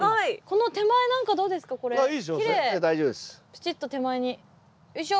プチッと手前によいしょ。